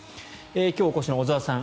今日お越しの小澤さん